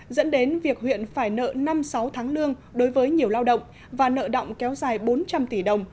dẫn đến việc huyện phải nợ năm sáu tháng lương đối với nhiều lao động và nợ động kéo dài bốn trăm linh tỷ đồng